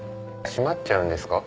閉まっちゃうんですか？